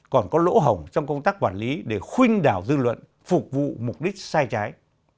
còn có lỗ hồng trong công tác quản lý để khuyên đảo dư luận phục vụ mục đích sai trái